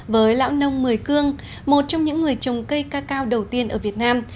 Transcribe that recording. với lão nông mười cương một trong những người trồng cây ca cao đầu tiên ở việt nam